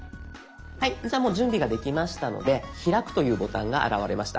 はいじゃあもう準備ができましたので「開く」というボタンが現れました。